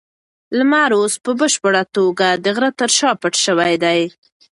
لمر اوس په بشپړه توګه د غره تر شا پټ شوی دی.